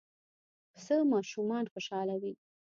پسه ماشومان خوشحالوي.